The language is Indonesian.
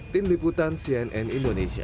tim liputan cnn indonesia